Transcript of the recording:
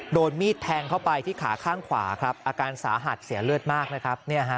โดนมีดแทงเข้าไปที่ขาข้างขวาครับอาการสาหัสเสียเลือดมากนะครับ